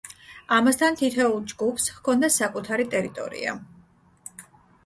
ამასთან, თითოეულ ჯგუფს ჰქონდა საკუთარი ტერიტორია.